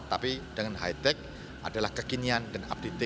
tapi dengan high tech adalah kekinian dan update